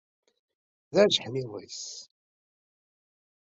D ajeḥniḍ-is.